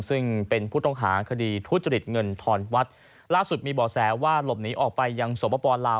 ซึ่งเป็นผู้ต้องหาคดีทุจริตเงินทอนวัดล่าสุดมีบ่อแสว่าหลบหนีออกไปยังสวปปลาว